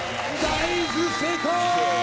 大豆成功ー！